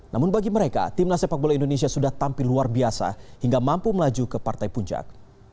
namun bagi mereka timnas sepak bola indonesia sudah tampil luar biasa hingga mampu melaju ke partai puncak